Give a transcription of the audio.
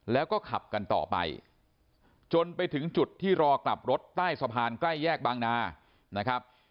แล้วก็ขับกันต่อไปจนไปถึงจุดที่รอกลับรถใต้สะพานใกล้แยกบางนานะครับ